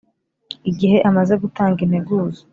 Igihe amaze gutanga integuza